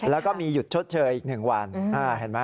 แล้วก็มีหยุดชดเชยอีก๑วัน